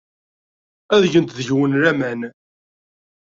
Ad gent deg-wen laman.